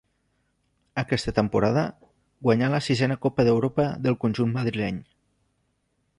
Aquesta temporada, guanyà la sisena Copa d'Europa del conjunt madrileny.